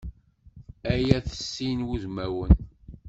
Ay at sin wudmawen!